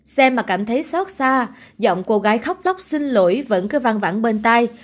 xem mà cảm thấy xót xa giọng cô gái khóc lóc xin lỗi vẫn cứ vang vãn bên tai